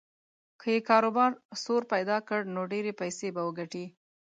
که یې کاروبار سور پیدا کړ نو ډېرې پیسې به وګټي.